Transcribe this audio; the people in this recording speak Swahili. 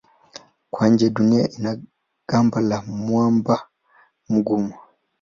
Kwa nje Dunia ina gamba la mwamba mgumu.